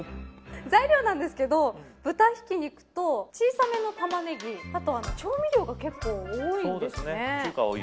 材料なんですけど豚ひき肉と小さめのタマネギあと調味料が結構多いですね。